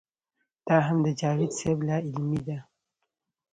دا هم د جاوېد صېب لا علمي ده